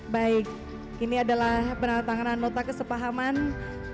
baik ini adalah penantanganan nota kesepahan antara bulog kanwil susebar